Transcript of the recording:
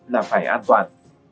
là phải an toàn